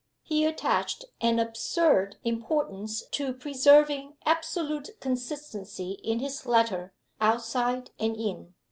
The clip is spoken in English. He attached an absurd importance to preserving absolute consistency in his letter, outside and in.